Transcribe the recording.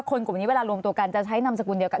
กลุ่มนี้เวลารวมตัวกันจะใช้นามสกุลเดียวกัน